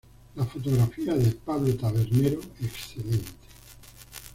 La fotografía de Pablo Tabernero, excelente.